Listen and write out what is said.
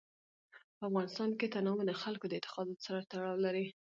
په افغانستان کې تنوع د خلکو د اعتقاداتو سره تړاو لري.